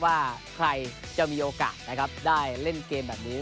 ว่าใครจะมีโอกาสนะครับได้เล่นเกมแบบนี้